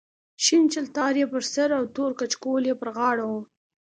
شین چلتار یې پر سر او تور کچکول یې پر غاړه و.